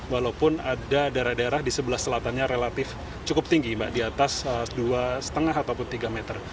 walaupun ada daerah daerah di sebelah selatannya relatif cukup tinggi mbak di atas dua lima ataupun tiga meter